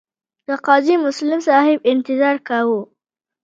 د قاضي مسلم صاحب انتظار کاوه.